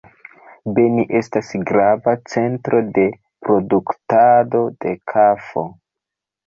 Beni estas grava centro de produktado de kafo.